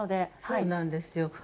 そうなんですよ。